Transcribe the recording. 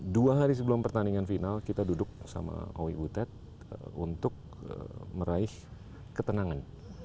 dua hari sebelum pertandingan final kita duduk sama owi butet untuk meraih ketenangan